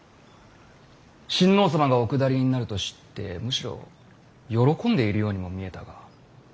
親王様がお下りになると知ってむしろ喜んでいるようにも見えたが。